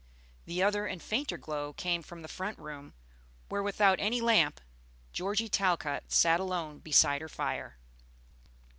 The other and fainter glow came from the front room, where without any lamp Georgie Talcott sat alone beside her fire.